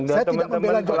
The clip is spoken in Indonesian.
saya tidak membelan jokowi